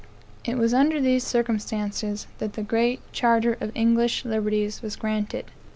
It was under these circumstances, that the Great Charter of Englsh Liberties was granted.